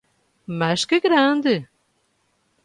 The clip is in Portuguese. Mas que grande!